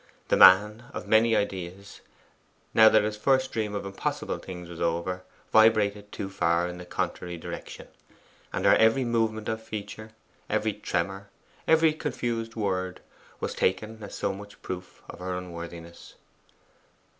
The man of many ideas, now that his first dream of impossible things was over, vibrated too far in the contrary direction; and her every movement of feature every tremor every confused word was taken as so much proof of her unworthiness.